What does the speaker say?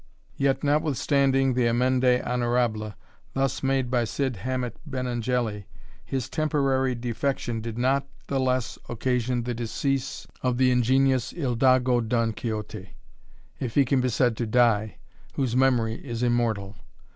Yet, notwithstanding the amende honorable thus made by Cid Hamet Benengeli, his temporary defection did not the less occasion the decease of the ingenious Hidalgo Don Quixote, if he can be said to die, whose memory is immortal.